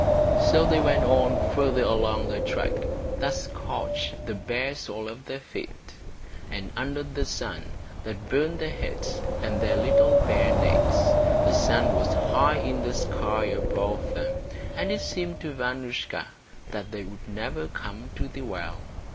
So they went on farther along the track that scorched the bare soles of their feet, and under the sun that burned their heads and their little bare necks. The sun was high in the sky above them, and it seemed to Vanoushka that they would never come to the well.